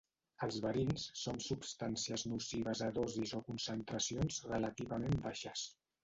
Els verins són substàncies nocives a dosis o concentracions relativament baixes.